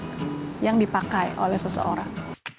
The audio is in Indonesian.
dan jumlah yang dipakai oleh seseorang